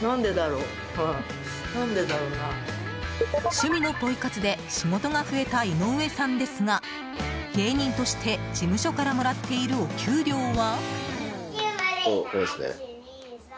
趣味のポイ活で仕事が増えた井上さんですが芸人として事務所からもらっているお給料は。